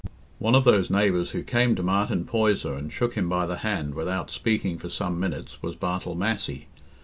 One of those neighbours who came to Martin Poyser and shook him by the hand without speaking for some minutes was Bartle Massey.